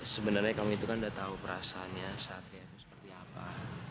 sebenernya kamu itu kan udah tau perasaannya saat dia itu seperti apa